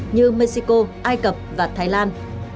như mexico ai cập và thái lan